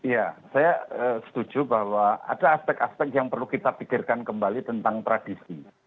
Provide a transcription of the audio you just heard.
ya saya setuju bahwa ada aspek aspek yang perlu kita pikirkan kembali tentang tradisi